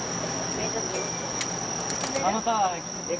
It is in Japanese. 大丈夫？